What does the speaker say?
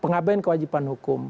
pengabaian kewajiban hukum